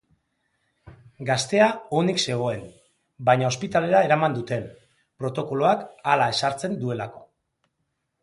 Gaztea onik zegoen, baina ospitalera eraman dute, protokoloak hala ezartzen duelako.